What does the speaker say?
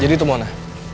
jadi itu mona